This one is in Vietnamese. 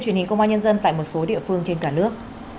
truyền hình công an nhân dân tại một số địa phương trên cả nước